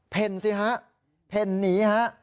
เพ่นสิฮะเพ่นหนีฮะ